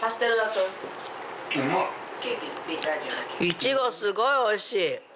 イチゴすごいおいしい。